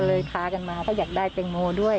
ก็เลยค้ากันมาเขาอยากได้แตงโหมด้วย